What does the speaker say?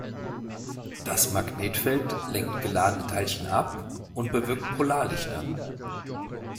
Das Magnetfeld lenkt geladene Teilchen ab und bewirkt Polarlichter.